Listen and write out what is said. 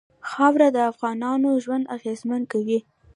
خاوره د افغانانو ژوند اغېزمن کوي.